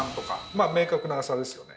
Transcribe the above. まあ明確な差ですよね。